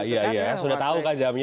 ya sudah tahu jamnya